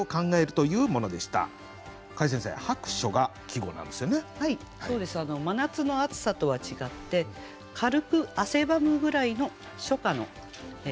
そうです真夏の暑さとは違って軽く汗ばむぐらいの初夏の季語ですね。